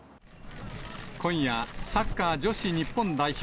今夜、サッカー女子日本代表